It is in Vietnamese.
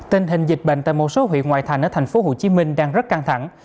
tình hình dịch bệnh tại một số huyện ngoại thành ở tp hcm đang rất căng thẳng